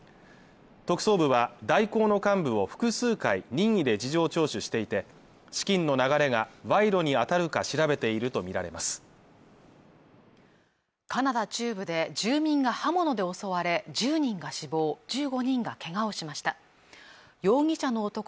特捜部は大広の幹部を複数回任意で事情聴取していて資金の流れが賄賂に当たるか調べていると見られますカナダ中部で住民が刃物で襲われ１０人が死亡１５人がけがをしました容疑者の男